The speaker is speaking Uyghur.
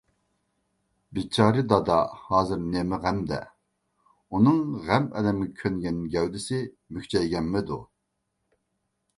بىچارە دادا ھازىر نېمە غەمدە، ئۇنىڭ غەم-ئەلەمگە كۆنگەن گەۋدىسى مۈكچەيگەنمىدۇ؟